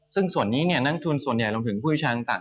ซึ่งส่วนนี้นักทุนส่วนใหญ่รวมถึงผู้พิชาต่าง